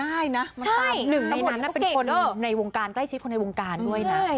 ได้นะหนึ่งในนั้นเป็นคนในวงการใกล้ชิดคนในวงการด้วยนะ